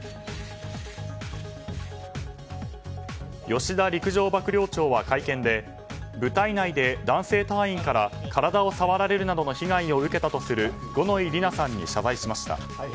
吉田陸上幕僚長は会見で部隊内で男性隊員から体を触られるなどの被害を受けたとする五ノ井里奈さんに謝罪しました。